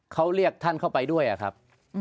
เขาเรียกท่านเข้าไปด้วยอะครับ